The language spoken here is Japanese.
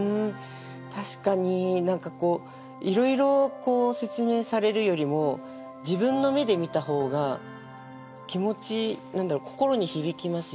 確かに何かこういろいろ説明されるよりも自分の目で見た方が気持ち何だろ心に響きますよね。